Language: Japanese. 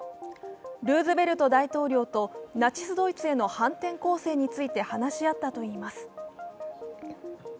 ルーズベルト大統領とナチス・ドイツへの反転攻勢について話し合ったといいます。